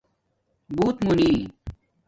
بݸت مُونی